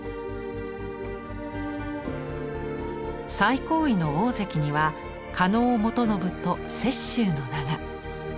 最高位の「大関」には狩野元信と雪舟の名が。